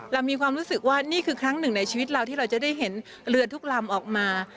เรามีความรู้สึกว่านี่คือครั้งหนึ่งในชีวิตเราที่เราจะได้เห็นเรือทุกลำออกมา